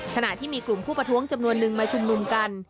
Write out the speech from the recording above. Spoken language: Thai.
ขณะที่มีกลุ่มผู้ประท้วงจำนวนนึงมาชุมนุมกัน